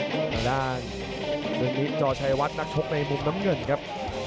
ต่างเรื่องนี้จอชัยวัดนักชกในมุมน้ำเงินครับ